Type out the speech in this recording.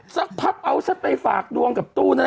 สักพักเอาฉันไปฝากดวงกับตู้นะ